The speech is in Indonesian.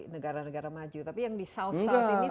negara negara maju tapi yang di south south ini